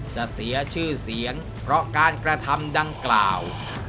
เสียชื่อเสียงเพราะการกระทำดังกล่าว